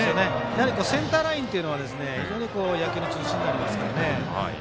やはりセンターラインっていうのは非常に野球の中心になりますから。